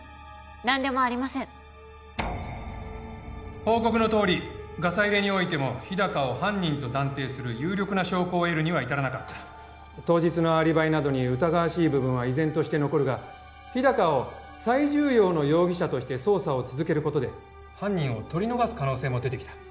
何でもありません報告のとおりガサ入れにおいても日高を犯人と断定する有力な証拠を得るには至らなかった当日のアリバイなどに疑わしい部分は依然として残るが日高を最重要の容疑者として捜査を続けることで犯人をとり逃す可能性も出てきた